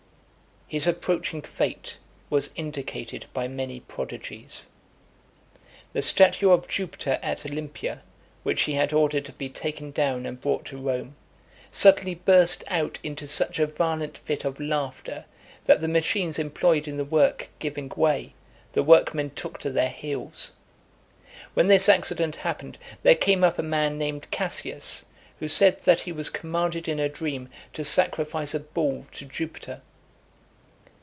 LVII. His approaching fate was indicated by many prodigies. The statue of Jupiter at Olympia, which he had ordered to be taken down and brought to Rome, suddenly burst out into such a violent fit of laughter, that, the machines employed in the work giving way, the workmen took to their heels. When this accident happened, there came up a man named Cassius, who said that he was commanded in a dream to sacrifice a bull to Jupiter.